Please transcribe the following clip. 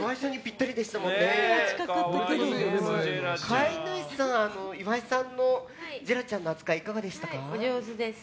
飼い主さん岩井さんのジェラちゃんの扱いお上手です。